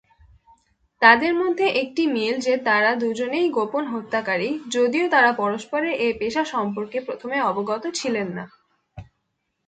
তাদের মধ্যে একটি মিল যে তারা দুজনেই গোপন হত্যাকারী, যদিও তারা পরস্পরের এ পেশা সম্পর্কে প্রথমে অবগত ছিলেন না।